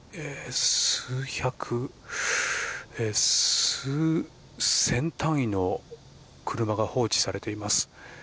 数百、数千単位の車が放置されています。